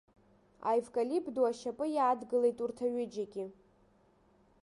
Аевкалипт ду ашьапы иаадгылеит урҭ аҩыџьагьы.